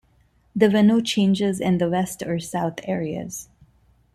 There were no changes in the West or South areas.